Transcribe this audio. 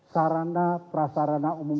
sarana prasarana umum